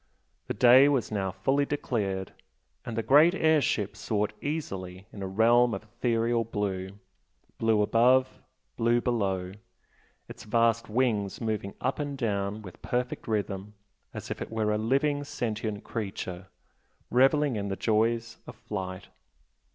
The day was now fully declared, and the great air ship soared easily in a realm of ethereal blue blue above, blue below its vast wings moving up and down with perfect rhythm as if it were a living, sentient creature, revelling in the joys of flight.